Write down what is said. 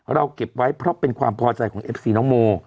เก็บไว้เพราะเป็นความพอใจของเอฟซีน้องโม